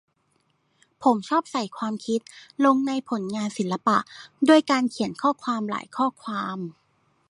ผมชอบใส่ความคิดลงในผลงานศิลปะ ด้วยการเขียนข้อความหลายข้อความ